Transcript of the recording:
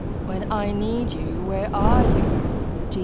"When I need you, where are you?"